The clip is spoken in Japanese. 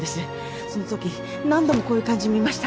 そのとき何度もこういう感じ見ました。